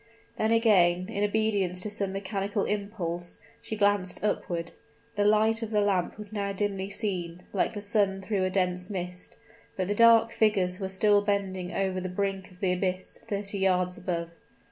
Then again, in obedience to some mechanical impulse, she glanced upward; the light of the lamp was now dimly seen, like the sun through a dense mist but the dark figures were still bending over the brink of the abyss, thirty yards above.